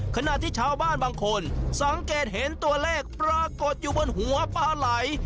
ขณะที่ชาวบ้านบางคนสังเกตเห็นตัวเลขปรากฏอยู่บนหัวปลาไหล